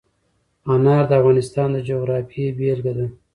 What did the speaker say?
انار د افغانستان د جغرافیې بېلګه ده.